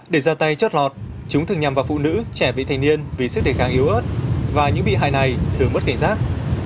để ra tay chót lọt chúng thường nhằm vào phụ nữ trẻ vị thành niên vì sức đề kháng yếu ớt và những bị hại này thường mất cảnh giác